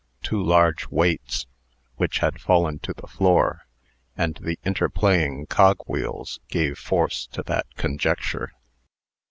Two large weights (which had fallen to the floor) and the interplaying cogwheels gave force to that conjecture.